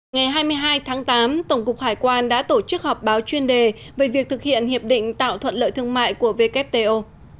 ngày hai mươi hai tháng tám tổng cục hải quan đã tổ chức họp báo chuyên đề về việc thực hiện hiệp định tạo thuận lợi thương mại của wto